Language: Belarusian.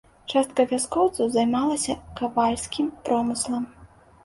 Частка вяскоўцаў займалася кавальскім промыслам.